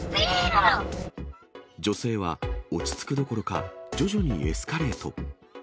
女性は落ち着くどころか、徐々にエスカレート。